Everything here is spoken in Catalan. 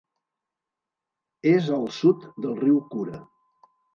És al sud del riu Kura.